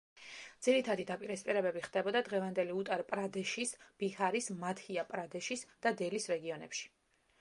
ძირითადი დაპირისპირებები ხდებოდა დღევანდელი უტარ-პრადეშის, ბიჰარის, მადჰია-პრადეშის და დელის რეგიონებში.